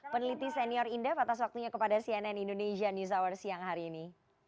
peneliti senior indef atas waktunya kepada cnn indonesian newshour siang hari ini